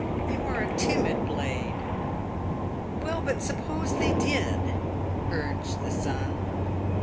You are a timid blade." " "Well, but suppose they did ?" urged the son.